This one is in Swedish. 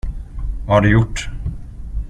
Vad har du gjort?